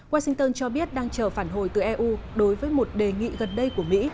washington cho biết đang chờ phản hồi từ eu đối với một đề nghị gần đây của mỹ